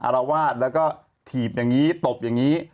รวาสแล้วก็ถีบอย่างนี้ตบอย่างนี้